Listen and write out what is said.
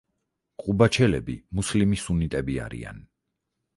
ყუბაჩელები მუსლიმი სუნიტები არიან.